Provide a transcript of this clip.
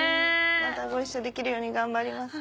またご一緒できるように頑張ります。